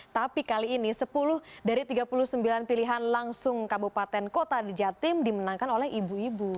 tapi kali ini sepuluh dari tiga puluh sembilan pilihan langsung kabupaten kota di jatim dimenangkan oleh ibu ibu